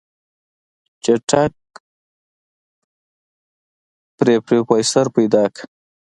چټک پې پروفيسر پيدا که.